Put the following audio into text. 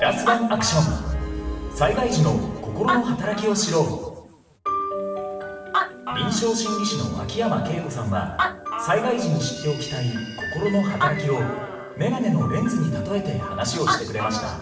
そこで臨床心理士の秋山恵子さんは災害時に知っておきたい心の働きをメガネのレンズに例えて話をしてくれました。